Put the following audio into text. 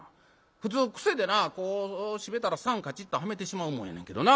普通癖でなこう閉めたら桟カチッとはめてしまうもんやねんけどな。